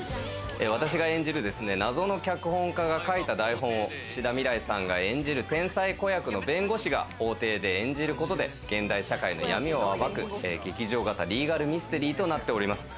私が演じるですね、謎の脚本家が書いた台本を志田未来さんが演じる天才子役の弁護士が法廷で演じることで現代社会の闇を暴く劇場型リーガルミステリーとなっております。